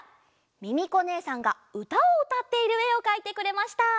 ミミコねえさんがうたをうたっているえをかいてくれました。